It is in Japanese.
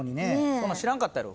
そんなん知らんかったやろ？